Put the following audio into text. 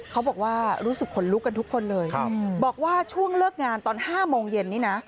เขาบอกว่ารู้สึกขนลุกกันทุกคนเลยบอกว่าช่วงเลิกงานตอน๕โมงเย็นนี้นะ